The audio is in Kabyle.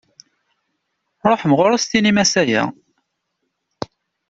Ruḥem ɣur-s tinim-as aya.